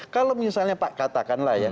kalau misalnya pak katakanlah ya